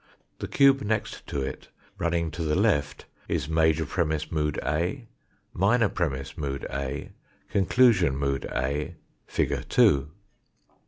The cube next to it, runn'ng to the left, is major premiss, mood A ; minor premiss, mood A ; conclusion, mood A ; figure 2.